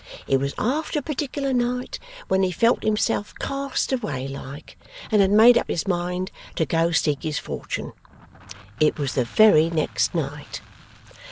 It was after a particular night, when he felt himself cast away like, and had made up his mind to go seek his fortune. It was the very next night.